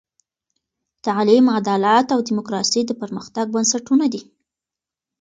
تعلیم، عدالت او دیموکراسي د پرمختګ بنسټونه دي.